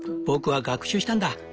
僕は学習したんだ。